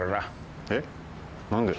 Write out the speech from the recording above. えっ？何で。